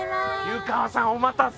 湯川さんお待たせ。